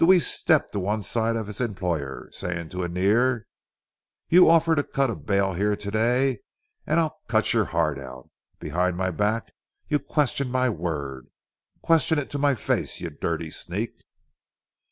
Deweese stepped to one side of his employer, saying to Annear: "You offer to cut a bale here to day, and I'll cut your heart out. Behind my back, you questioned my word. Question it to my face, you dirty sneak."